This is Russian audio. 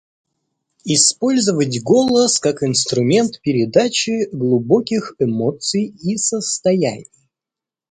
Использовать голос как инструмент передачи глубоких эмоций и состояний.